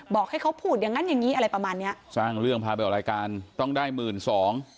บอกให้เขาพูดอย่างงั้นอย่างงี้อะไรประมาณเนี้ยสร้างเรื่องพาไปออกรายการต้องได้หมื่นสอง